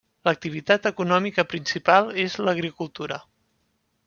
L'activitat econòmica principal és l'agricultura.